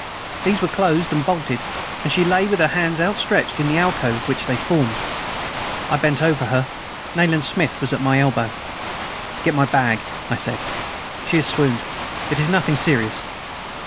These were closed and bolted, and she lay with hands outstretched in the alcove which they formed. I bent over her. Nayland Smith was at my elbow. "Get my bag" I said. "She has swooned. It is nothing serious."